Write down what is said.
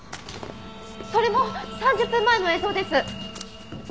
それも３０分前の映像です！